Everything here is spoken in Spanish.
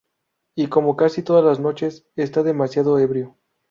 Y como casi todas las noches, está demasiado ebrio.